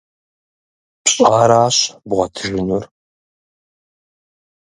Пщӏаращ бгъуэтыжынур.